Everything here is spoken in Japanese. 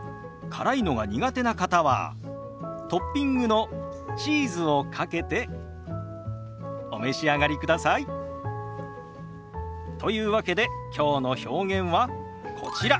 辛いのが苦手な方はトッピングのチーズをかけてお召し上がりください。というわけできょうの表現はこちら。